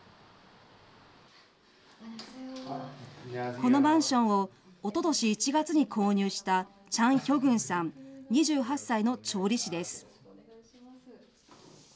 このマンションをおととし１月に購入した、チャン・ヒョグンさん、２８歳の調理師です。